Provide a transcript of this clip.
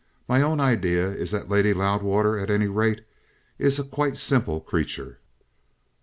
My own idea is that Lady Loudwater, at any rate, is a quite simple creature."